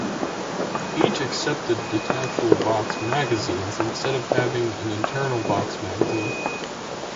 Each accepted detachable box magazines instead of having an internal box magazine.